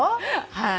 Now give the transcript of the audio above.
はい。